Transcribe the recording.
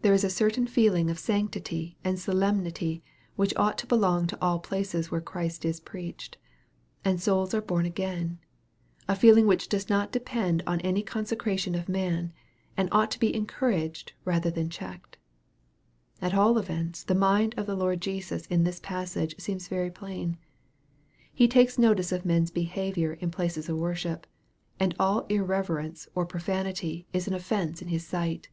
There is a certain feeling of sanctity and solemnity which ought to belong to all pla ces where Christ is preached, and souls are born again, a feeling which does not depend on any consecration of man, and ought to be encouraged rather than checked. At all events the mind of the Lord Jesus in this passage seems very plain. He takes notice of men's behavior in places of worship, and all irreverence or profanity is an offence in His sight.